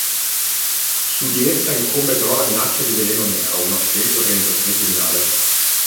Su di essa incombe però la minaccia di "Veleno Nero", una potente organizzazione criminale.